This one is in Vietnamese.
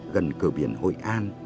gần cửa biển hội an